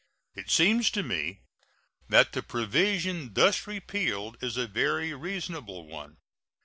It seems to me that the provision thus repealed is a very reasonable one.